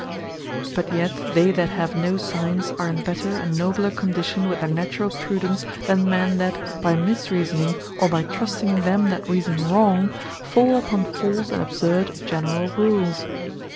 But yet they that have no Science, are in better, and nobler condition with their naturall Prudence; than men, that by mis reasoning, or by trusting them that reason wrong, fall upon false and absurd generall rules.